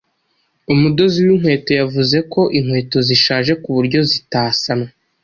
Umudozi winkweto yavuze ko inkweto zishaje kuburyo zitasanwa.